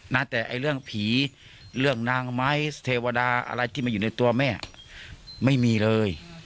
แต่เรื่องผีเรื่องนางไม้เทวดาอะไรที่มันอยู่ในตัวแม่ไม่มีเลย